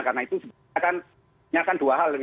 karena itu sebenarnya kan dua hal